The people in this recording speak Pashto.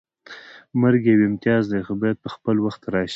مرګ یو امتیاز دی خو باید په خپل وخت راشي